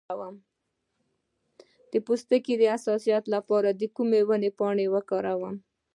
د پوستکي د حساسیت لپاره د کومې ونې پاڼې وکاروم؟